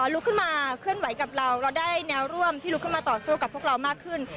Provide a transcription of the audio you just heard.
ลุกขึ้นมาเคลื่อนไหวกับเราเราได้แนวร่วมที่ลุกขึ้นมาต่อสู้กับพวกเรามากขึ้น